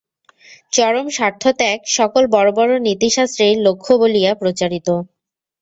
চরম স্বার্থত্যাগ সকল বড় বড় নীতিশাস্ত্রেই লক্ষ্য বলিয়া প্রচারিত।